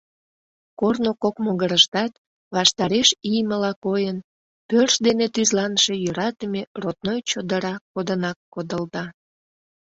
Корно кок могырыштат, ваштареш иймыла койын, пӧрш дене тӱзланыше йӧратыме родной чодыра кодынак кодылда.